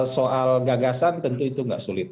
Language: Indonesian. soal gagasan tentu itu nggak sulit